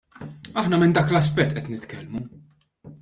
Aħna minn dak l-aspett qed nitkellmu.